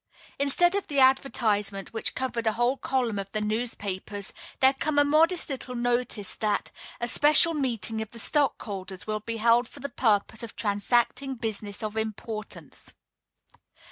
Instead of the advertisement which covered a whole column of the newspapers, there comes a modest little notice that "a special meeting of the stockholders will be held for the purpose of transacting business of importance."